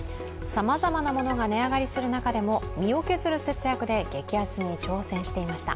さまざまなものが値上がりする中でも、身を削る節約で激安に挑戦していました。